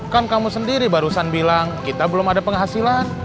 kan kamu sendiri barusan bilang kita belum ada penghasilan